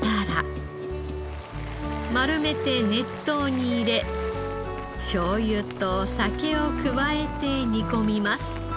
丸めて熱湯に入れしょうゆと酒を加えて煮込みます。